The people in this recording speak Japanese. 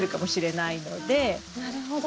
なるほど。